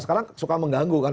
sekarang suka mengganggu kan